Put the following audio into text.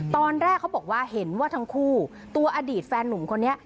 ตอนแรกเขาบอกว่าเห็นว่าทั้งคู่ตัวอดีตแฟนหนุ่มคนนี้